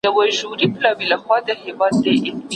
ټولو په لپو کې سندرې، دې ټپه راوړې